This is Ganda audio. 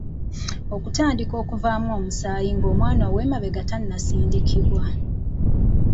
Okutandika okuvaamu omusaayi ng'omwana ow'emabega tannasindikibwa.